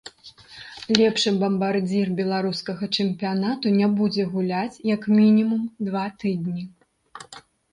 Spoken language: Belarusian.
Лепшы бамбардзір беларускага чэмпіянату не будзе гуляць, як мінімум, два тыдні.